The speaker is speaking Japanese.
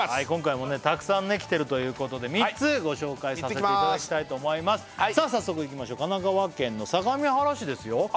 今回もねたくさんね来てるということで３つご紹介させていただきたいと思いますさあ早速いきましょう神奈川県の相模原市ですよ